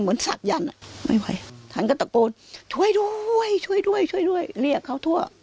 เหมือนศักดิ์ยันต์ไม่ไหวท่านก็ตะโกนช่วยด้วยช่วยด้วยช่วยด้วยเรียกเขาทั่ว